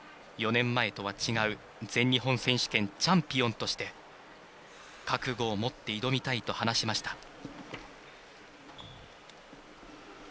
４年前とは違う全日本選手権チャンピオンとして覚悟を持って挑みたいと話しました。